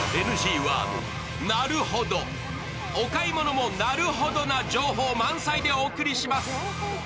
お買い物も「なるほど」な情報満載でお送りします。